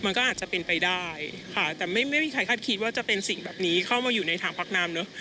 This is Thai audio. มันก็อาจจะเป็นไปได้ค่ะแต่ไม่มีใครคาดคิดว่าจะเป็นสิ่งแบบนี้เข้ามาอยู่ในถังพักน้ำเนอะ